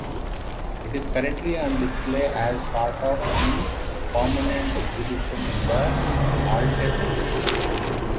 It is currently on display as part of the permanent exhibition in the Altes Museum.